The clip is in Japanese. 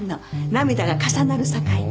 涙が重なるさかいに。